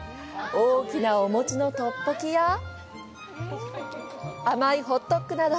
大きなお餅のトッポッキやあまいホットックなど。